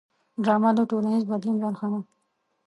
ډرامه د ټولنیز بدلون برخه ده